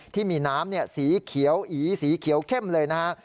ที่มีน้ำสีเขียวอีสีเขียวเข้มเลยนะฮะ